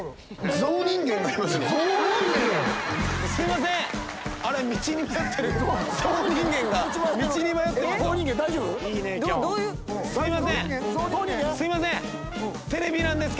ゾウ人間が道に迷ってますよ。